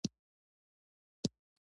هر شاګرد باید خپل سمون ته پاملرنه وکړه.